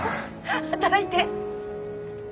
働いて